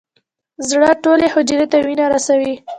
زړه ټولې حجرې ته وینه رسوي.